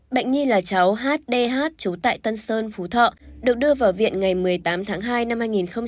bệnh nhi là cháu hdh trú tại tân sơn phú thọ được đưa vào viện ngày một mươi tám tháng hai năm hai nghìn hai mươi